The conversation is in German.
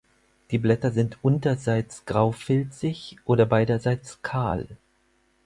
Die Blätter sind unterseits graufilzig oder beiderseits kahl.